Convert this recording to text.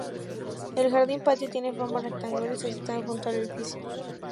El jardín-patio tiene forma rectangular y está situado junto al edificio.